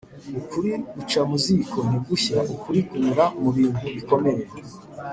Ukuri guca mu ziko ntugushye ukuri kunyura mu bintu bikomeye